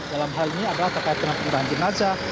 dalam hal ini adalah terkait dengan penggunaan jenazah